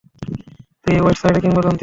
তুই এই ওয়েস্ট সাইডের কিংবদন্তী!